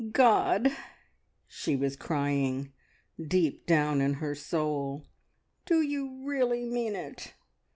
"God," she was crying deep down in her soul, "do You really mean it?